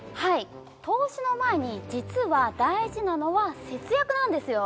投資の前に実は大事なのは節約なんですよ